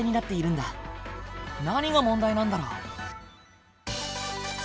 何が問題なんだろう？